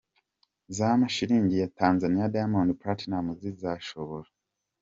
z'amashilingi ya Tanzaniya Diamond Platnumz ashobora